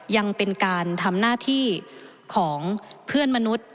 ยังเป็นการทำหน้าที่ของเพื่อนมนุษย์